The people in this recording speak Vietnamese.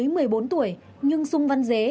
mới một mươi bốn tuổi nhưng sung văn dế